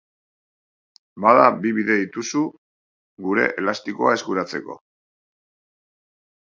Bada, bi bide dituzu gure elastikoa eskuratzeko!